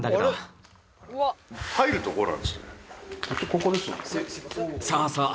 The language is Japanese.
ここですよね